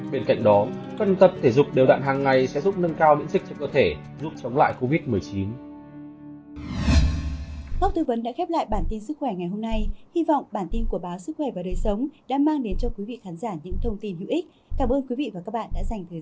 bên cạnh đó phần tập thể dục đều đạn hàng ngày sẽ giúp nâng cao miễn dịch cho cơ thể giúp chống lại covid một mươi chín